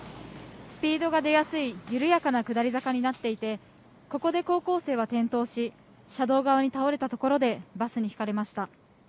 スピードが出やすい緩やかな下り坂になっていて、ここで高校生は転倒し、車道側に倒れたところでバスにひかれました。